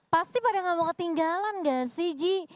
pasti pada gak mau ketinggalan gak sih ji